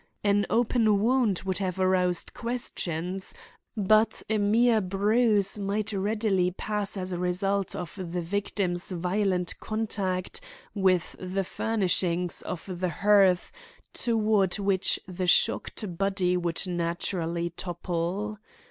An open wound would have aroused questions, but a mere bruise might readily pass as a result of the victim's violent contact with the furnishings of the hearth toward which the shocked body would naturally topple.